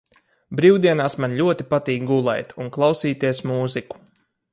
Brīvdienās man ļoti patīk gulēt un klausīties mūziku.